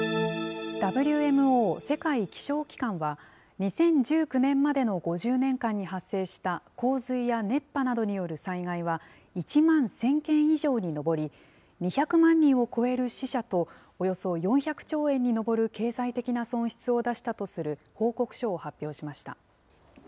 ２０１９年までの５０年間に発生した洪水や熱波などによる災害は１万１０００件以上に上り、２００万人を超える死者と、およそ４００兆円に上る経済的な損失を出したとする報告書を発表しました。